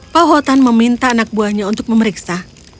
pao houghton meminta anak buahnya untuk memeriksa